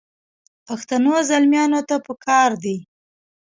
پښتنو زلمیانو ته پکار دي.